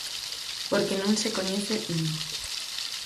Porque non se coñece un.